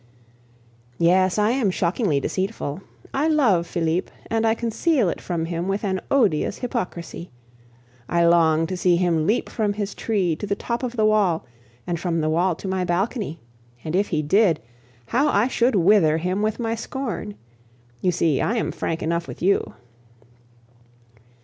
Yes, I am shockingly deceitful. I love Felipe, and I conceal it from him with an odious hypocrisy. I long to see him leap from his tree to the top of the wall, and from the wall to my balcony and if he did, how I should wither him with my scorn! You see, I am frank enough with you.